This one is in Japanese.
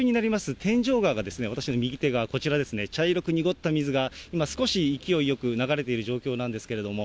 天井川が私の右手側、こちらですね、茶色く濁った水が、今少し勢いよく流れている状況なんですけれども。